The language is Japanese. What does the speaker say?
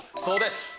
そうです。